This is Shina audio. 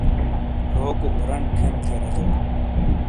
لوکو اورنڈ کھیم تھے راجو۔